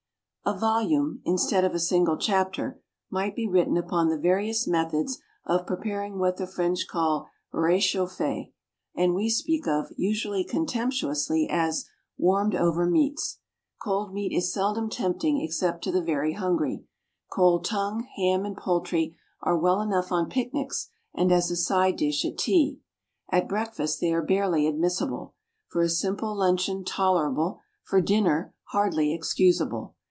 A VOLUME, instead of a single chapter, might be written upon the various methods of preparing what the French call "rechauffés," and we speak of, usually contemptuously, as "warmed over" meats. Cold meat is seldom tempting except to the very hungry. Cold tongue, ham and poultry are well enough on picnics and as a side dish at tea. At breakfast they are barely admissible; for a simple luncheon tolerable; for dinner hardly excusable.